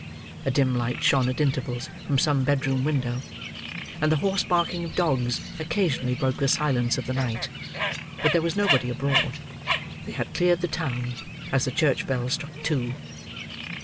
A dim light shone at intervals from some bed room window; and the hoarse barking of dogs occasionally broke the silence of the night. But there was nobody abroad. They had cleared the town, as the church bell struck two.